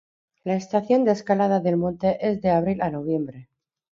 La estación de escalada del monte es de abril a noviembre.